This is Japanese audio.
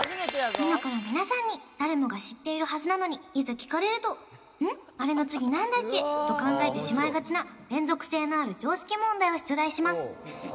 今から皆さんに誰もが知っているはずなのにいざ聞かれると「ん？あれの次なんだっけ？」と考えてしまいがちな連続性のある常識問題を出題します